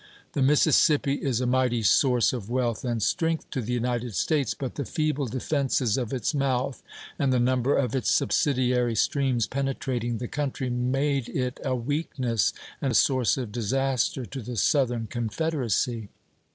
The Mississippi is a mighty source of wealth and strength to the United States; but the feeble defences of its mouth and the number of its subsidiary streams penetrating the country made it a weakness and source of disaster to the Southern Confederacy.